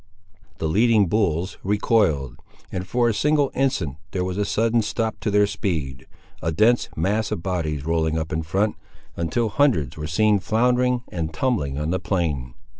The leading bulls recoiled, and for a single instant there was a sudden stop to their speed, a dense mass of bodies rolling up in front, until hundreds were seen floundering and tumbling on the plain.